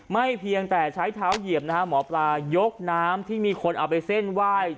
เพียงแต่ใช้เท้าเหยียบนะฮะหมอปลายกน้ำที่มีคนเอาไปเส้นไหว้